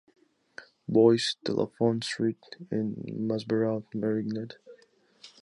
Bois de la Font street in Masbaraud-Merignat